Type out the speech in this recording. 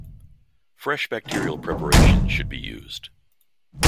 Fresh bacterial preparations should be used.